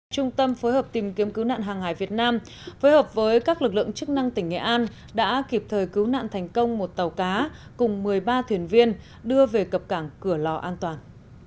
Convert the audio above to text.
trung tâm phối hợp tìm kiếm cứu nạn hàng hải việt nam phối hợp với các lực lượng chức năng tỉnh nghệ an đã kịp thời cứu nạn thành công một tàu cá cùng một mươi ba thuyền viên đưa về cập cảng cửa lò an toàn